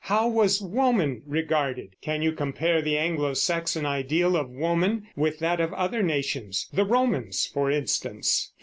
How was woman regarded? Can you compare the Anglo Saxon ideal of woman with that of other nations, the Romans for instance?